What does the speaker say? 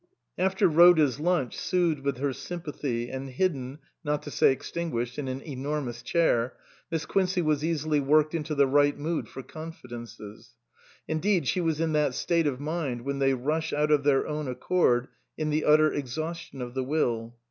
After Rhoda's lunch, soothed with her sym pathy and hidden, not to say extinguished, in an enormous chair, Miss Quincey was easily worked into the right mood for confidences ; indeed she was in that state of mind when they rush out of their own accord in the utter exhaustion of the will.